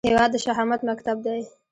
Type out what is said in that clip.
هیواد د شهامت مکتب دی